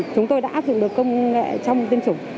chúng tôi đã áp dụng được công nghệ trong tiêm chủng